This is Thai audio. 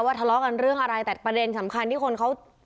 ทะเลาะกันเรื่องอะไรแต่ประเด็นสำคัญที่คนเขา